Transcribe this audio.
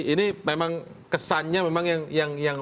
ini memang kesannya memang yang